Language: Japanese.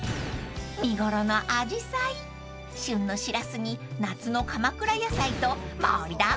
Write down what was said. ［見頃のあじさい旬のしらすに夏の鎌倉野菜と盛りだくさん］